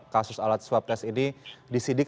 kasus alat swab test ini disidik